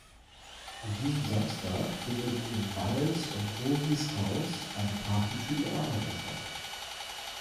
An diesem Samstag findet in Miles‘ und Rosies Haus eine Party für die Arbeiter statt.